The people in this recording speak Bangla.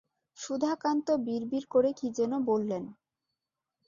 সুধাকান্ত বিড়বিড় করে কী-যেন বললেন।